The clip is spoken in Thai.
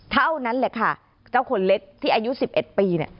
เท่านั้นแหละค่ะเจ้าคนเล็กที่อายุ๑๑ปีเนี่ย